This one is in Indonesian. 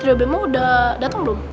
udah dateng belum